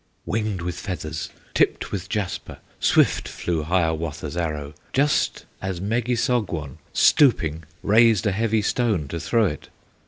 Winged with feathers, tipped with jasper, Swift flew Hiawatha's arrow, Just as Megissogwon, stooping, Raised a heavy stone to throw it.